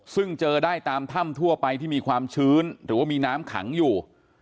ซึ่งเจอได้ตามถ้ำทั่วไปที่มีความชื้นหรือว่ามีน้ำขังอยู่